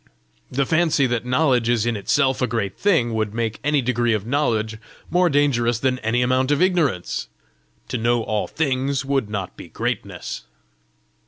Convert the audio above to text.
The fancy that knowledge is in itself a great thing, would make any degree of knowledge more dangerous than any amount of ignorance. To know all things would not be greatness."